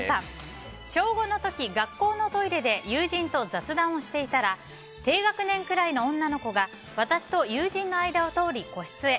小５の時、学校のトイレで友人と雑談をしていたら低学年くらいの女の子が私と友人の間を通り個室へ。